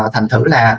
thành thử là